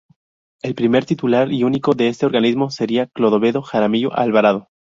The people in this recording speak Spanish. El primer titular y único de este organismo sería Clodoveo Jaramillo Alvarado.